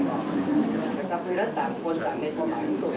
นี่โดยบ้านลูก